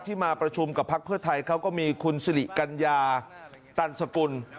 มาประชุมกับพักเพื่อไทยเขาก็มีคุณสิริกัญญาตันสกุล